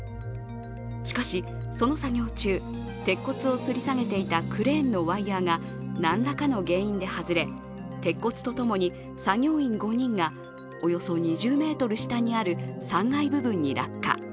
しかしその作業中、鉄骨をつり下げていたクレーンのワイヤーが何らかの原因で外れ鉄骨とともに作業員５人がおよそ２０ｍ下にある３階部分に落下。